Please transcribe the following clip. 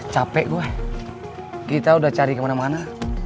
capek gue kita udah cari kemana mana